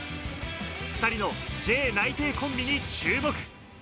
２人のＪ内定コンビに注目！